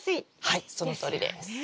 はいそのとおりです。